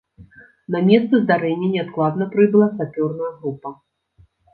На месца здарэння неадкладна прыбыла сапёрная група.